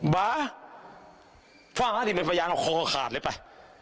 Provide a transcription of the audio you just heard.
บาฟ้าที่เป็นพยานคอขาดเลยไป